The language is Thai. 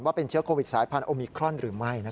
เป็นเชื้อโควิดสายพันธุมิครอนหรือไม่